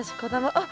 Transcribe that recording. あっ！